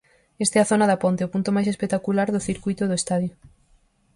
Esta é a zona da ponte, o punto máis espectacular do circuíto do estadio.